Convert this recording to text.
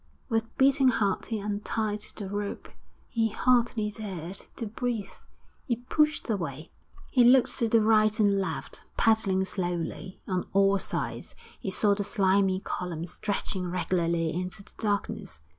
With beating heart he untied the rope; he hardly dared to breathe. He pushed away. XI He looked to the right and left, paddling slowly; on all sides he saw the slimy columns stretching regularly into the darkness.